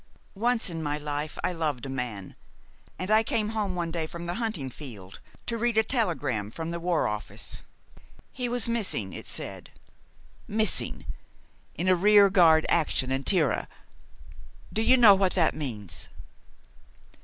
Once in my life I loved a man, and I came home one day from the hunting field to read a telegram from the War Office. He was 'missing,' it said missing in a rear guard action in Tirah. Do you know what that means?"